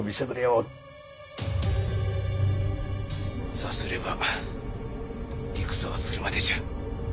さすれば戦をするまでじゃ。